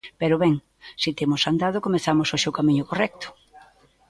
Pero, ben, si temos andado, comezamos hoxe o camiño correcto.